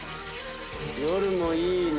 夜もいいね。